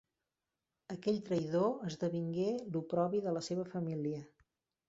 Aquell traïdor esdevingué l'oprobi de la seva família.